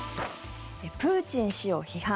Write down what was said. プーチン氏を批判